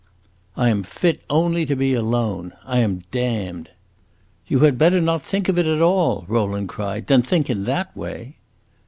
"I am fit only to be alone. I am damned!" "You had better not think of it at all," Rowland cried, "than think in that way."